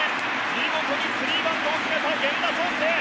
見事にスリーバントを決めた源田壮亮。